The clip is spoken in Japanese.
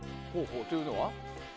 というのは？